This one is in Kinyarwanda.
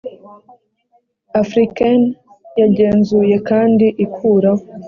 africaines yagenzuye kandi ikuraho